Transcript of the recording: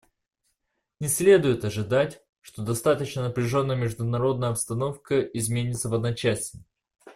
Не следует ожидать, что достаточно напряженная международная обстановка изменится в одночасье.